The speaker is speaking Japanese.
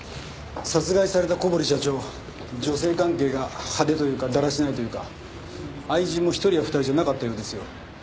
殺害された小堀社長女性関係が派手というかだらしないというか愛人も１人や２人じゃなかったようですよ。